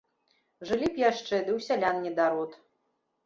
Жылі б яшчэ, ды ў сялян недарод.